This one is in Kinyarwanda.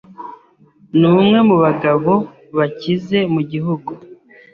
ni umwe mu bagabo bakize mu gihugu.